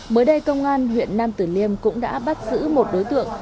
mới đây công an huyện nam tử liêm cũng đã bắt giữ một đối tượng